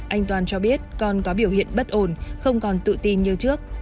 anh toàn cho biết con có biểu hiện bất ổn không còn tự tin như trước